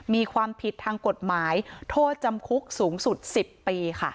มีความผิดทางกฎหมายโทษจำคุกสูงสุด๑๐ปีค่ะ